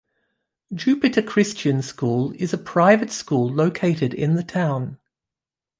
Jupiter Christian School is a private school located in the town.